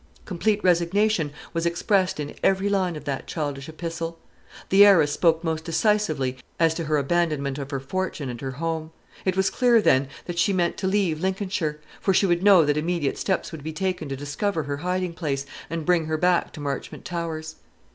Complete resignation was expressed in every line of that childish epistle. The heiress spoke most decisively as to her abandonment of her fortune and her home. It was clear, then, that she meant to leave Lincolnshire; for she would know that immediate steps would be taken to discover her hiding place, and bring her back to Marchmont Towers.